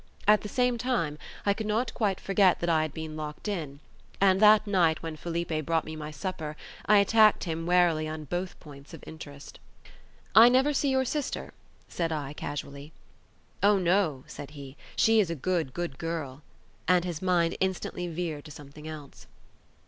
At the same time, I could not quite forget that I had been locked in, and that night when Felipe brought me my supper I attacked him warily on both points of interest. "I never see your sister," said I casually. "Oh, no," said he; "she is a good, good girl," and his mind instantly veered to something else.